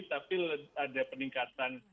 tapi ada peningkatan